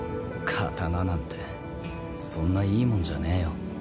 刀なんてそんないいもんじゃねえよ。